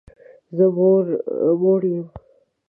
زه موړ یم